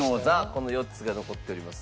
この４つが残っております。